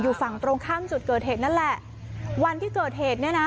ฝั่งตรงข้ามจุดเกิดเหตุนั่นแหละวันที่เกิดเหตุเนี่ยนะ